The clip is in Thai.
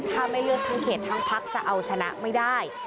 ถ้าไม่เลือกทั้งเขตทั้งพักจะเอาชนะไม่ได้